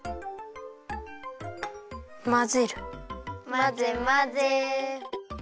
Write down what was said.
まぜまぜ。